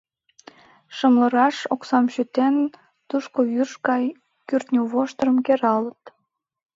Шымлыраш оксам шӱтен, тушко вӱрж гай кӱртньывоштырым кералыт.